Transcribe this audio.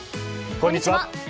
こんにちは。